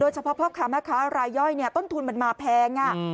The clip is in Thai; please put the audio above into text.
โดยเฉพาะพ่อค้าแม่ค้ารายย่อยเนี่ยต้นทุนมันมาแพงอ่ะอืม